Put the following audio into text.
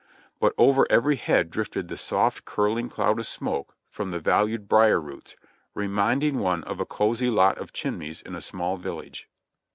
But over every head drifted the soft, curling cloud of smoke from the valued briar roots, reminding one of a cosy lot of chimneys in a small village.